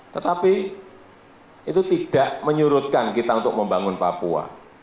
tetapi itu tidak menyurutkan kita untuk membangun papua